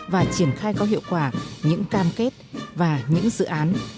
và triển khai có hiệu quả những cam kết và những dự án